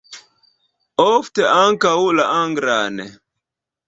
Ofte ankaŭ la anglan.